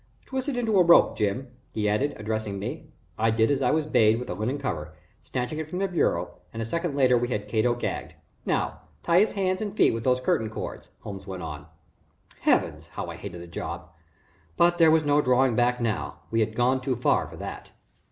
Twist it into a rope, Jim," he added, addressing me. I did as I was bade with the linen cover, snatching it from the bureau, and a second later we had Cato gagged. "Now tie his hands and feet with those curtain cords," Holmes went on. Heavens! how I hated the job, but there was no drawing back now! We had gone too far for that.